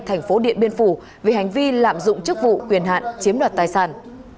tp điện biên phủ vì hành vi lạm dụng chức vụ quyền hạn chiếm đoạt tài sản